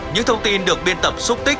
những thông tin được biên tập